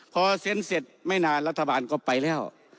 พอเซ็นเสร็จไม่นานรัฐบาลก็ไปแล้ว